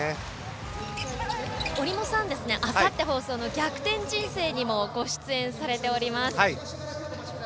折茂さん、あさって放送の「逆転人生」にもご出演されております。